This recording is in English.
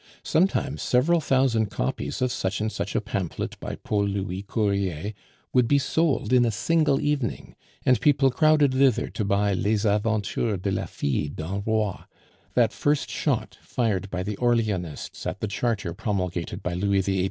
Sometimes several thousand copies of such and such a pamphlet by Paul Louis Courier would be sold in a single evening; and people crowded thither to buy Les aventures de la fille d'un Roi that first shot fired by the Orleanists at The Charter promulgated by Louis XVIII.